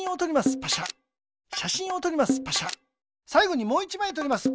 さいごにもう１まいとります。